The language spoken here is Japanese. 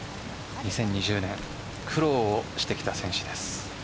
２０２０年苦労をしてきた選手です。